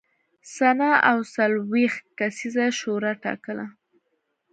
سنا او څلوېښت کسیزه شورا ټاکله